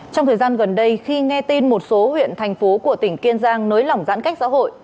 trong thời gian gần đây khi nghe tin một số huyện thành phố của tỉnh kiên giang nới lỏng giãn cách xã hội